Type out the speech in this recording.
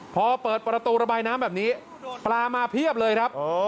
พอเปิดประตูระบายน้ำแบบนี้ปลามาเพียบเลยครับ